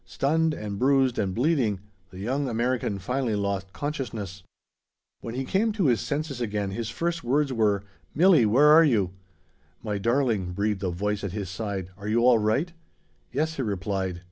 Stunned and bruised and bleeding, the young American finally lost consciousness.... When he came to his senses again, his first words were, "Milli, where are you?" "My darling!" breathed a voice at his side. "Are you all right?" "Yes," he replied.